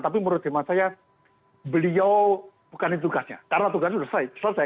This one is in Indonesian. tapi menurut hemat saya beliau bukan itu tugasnya karena tugasnya sudah selesai